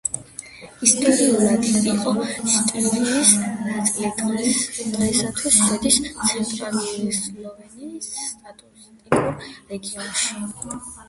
ისტორიულად იყო შტირიის ნაწილი, დღეისთვის შედის ცენტრალური სლოვენიის სტატისტიკურ რეგიონში.